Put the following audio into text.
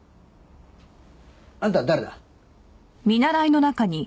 あんた誰だ？